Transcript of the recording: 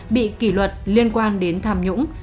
bị kỷ luật liên quan đến tham nhũng